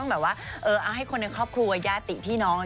เบาเล็กหน่อย